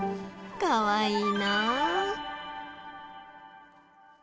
かわいいな。